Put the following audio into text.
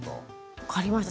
分かりました。